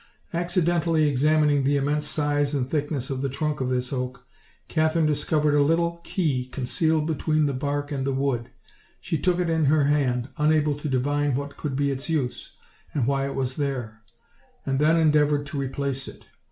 Accidentally examining the immense size and thickness of the trunk of this oak, Katherine discovered a little key concealed between the bark and the wood; she took it in her hand, unable to divine what could be its use, and why it was there; and then endeavored to replace it.